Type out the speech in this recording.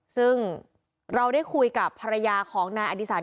ซึ่งเราได้คุยกับภรรยาของนายอดีศร